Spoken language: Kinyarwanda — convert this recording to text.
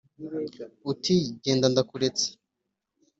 Uti: genda ndakuretse